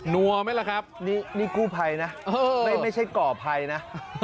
นั่วนะครับกูภัยนะไม่ใช่ก่อภัยนะ